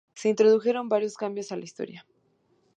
Se introdujeron varios cambios a la historia.